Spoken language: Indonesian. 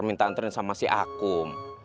minta antren sama si akum